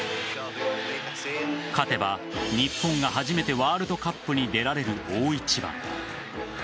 勝てば日本が初めてワールドカップに出られる大一番。